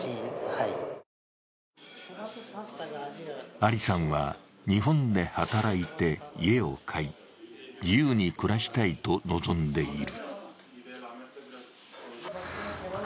アリさんは日本で働いて、家を買い、自由に暮らしたいと望んでいる。